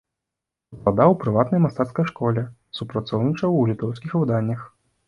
Выкладаў у прыватнай мастацкай школе, супрацоўнічаў у літоўскіх выданнях.